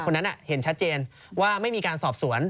คนนั้นเห็นชัดเจนว่าไม่มีการสอบสวน